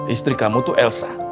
istri kamu tuh elsa